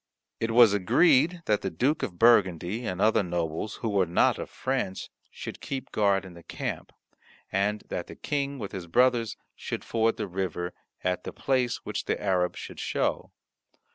It was agreed that the Duke of Burgundy and other nobles who were not of France should keep guard in the camp, and that the King with his brothers should ford the river at the place which the Arab should show.